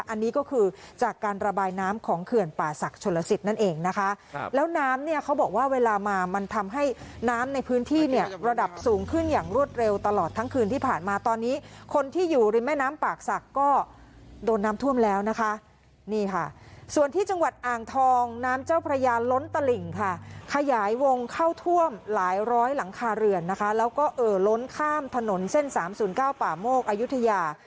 อันนี้ก็คือจากการระบายน้ำของเขื่อนป่าศักดิ์ชนลสิตนั่นเองนะคะแล้วน้ำเนี่ยเขาบอกว่าเวลามามันทำให้น้ำในพื้นที่เนี่ยระดับสูงขึ้นอย่างรวดเร็วตลอดทั้งคืนที่ผ่านมาตอนนี้คนที่อยู่ริมแม่น้ำป่าศักดิ์ก็โดนน้ำท่วมแล้วนะคะนี่ค่ะส่วนที่จังหวัดอ่างทองน้ำเจ้าพระยาล้นตลิ่งค่ะขยายวงเข้า